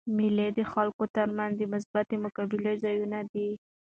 مېلې د خلکو تر منځ د مثبتي مقابلې ځایونه دي.